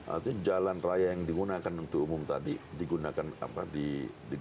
artinya jalan raya yang digunakan untuk umum tadi digunakan